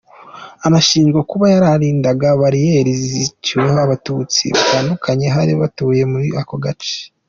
Anashinjwa kuba yararindaga Bariyeri ziciweho Abatutsi batandukanye bari batuye muri ako gace.